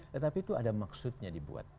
tetapi itu ada maksudnya dibuat